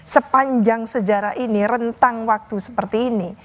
sepanjang sejarah ini rentang waktu seperti ini